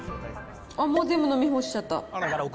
もう全部飲み干しちゃった。